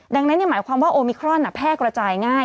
ดังนั้นหมายความว่าโอมิครอนแพร่กระจายง่าย